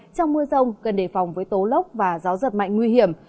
trong mưa rông cần đề phòng với tố lốc và gió giật mạnh nguy hiểm